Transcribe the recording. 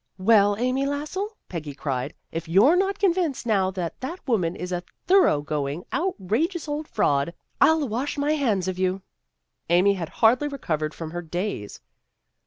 " Well, Amy Lassell," Peggy cried, " if you're not convinced now that that woman is a thorough going, outrageous old fraud, I'll wash my hands of you." Amy had hardly recovered from her daze.